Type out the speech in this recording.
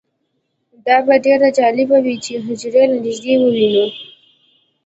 دا به ډیره جالبه وي چې حجرې له نږدې ووینو